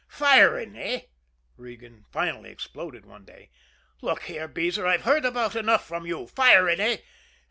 "Firing, eh!" Regan finally exploded one day. "Look here, Beezer; I've heard about enough from you. Firing, eh?